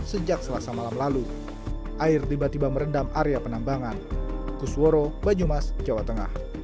sejak selasa malam lalu air tiba tiba merendam area penambangan